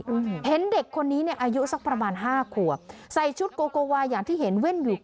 อืมเห็นเด็กคนนี้เนี้ยอายุสักประมาณห้าขวบใส่ชุดโกโกวาอย่างที่เห็นเว่นอยู่